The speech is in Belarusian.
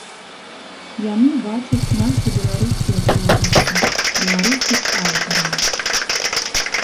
Яны бачаць нашы беларускія прозвішчы, беларускіх аўтараў.